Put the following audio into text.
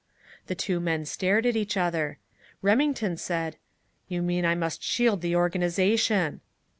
The two men stared at each other. Remington said: "You mean I must shield the organization!"